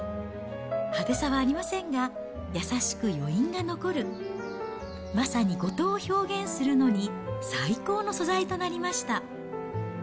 派手さはありませんが、優しく余韻が残る、まさに五島を表現するのに最高の素材となりました。